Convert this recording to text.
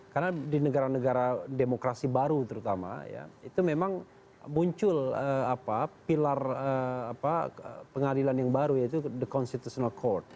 karena di negara negara demokrasi baru terutama ya itu memang muncul pilar pengadilan yang baru yaitu the constitutional court